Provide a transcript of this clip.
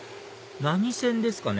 何線ですかね？